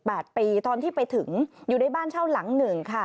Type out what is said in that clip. ตอนที่ไปถึงอยู่ในบ้านเช่าหลังหนึ่งค่ะ